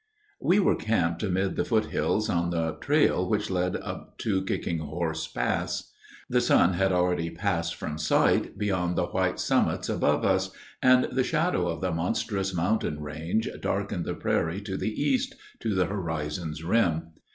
We were camped amid the foot hills on the trail which led up to the Kicking Horse Pass. The sun had already passed from sight, beyond the white summits above us, and the shadow of the monstrous mountain range darkened the prairie to the east, to the horizon's rim.